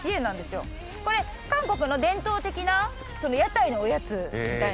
これ韓国の伝統的な屋台のおやつみたいな。